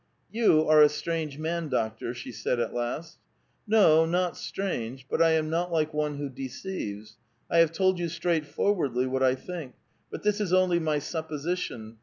" You are a strange man, doctor," she said, at last. " No, not strange; but I am not like one who deceives. I have told you straightforwardly what I think. But this is only my supposition.